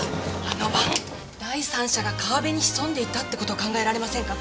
あの晩第三者が川辺に潜んでいたって事は考えられませんか？